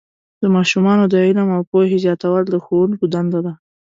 د ماشومانو د علم او پوهې زیاتول د ښوونکو دنده ده.